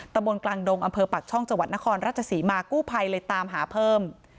ตะบนกลางดงอำเภอปากช่องจังหวัดนครราชศรีมากู้ภัยเลยตามหาเพิ่ม